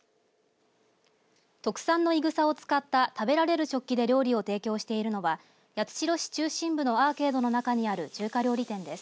特産のいぐさを使った食べられる食器で料理を提供しているのは八代市中心部のアーケードの中にある中華料理店です。